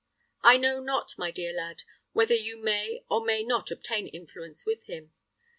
I know not, my dear lad, whether you may or may not obtain influence with him.